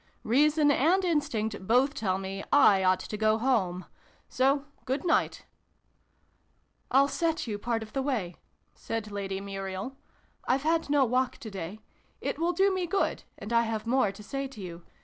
Rea son and Instinct both tell me I ought to go home. So, good night !"" I'll ' set ' you part of the way," said Lady Muriel. " I've had no walk to day. It will do me good, and I have more to say to you.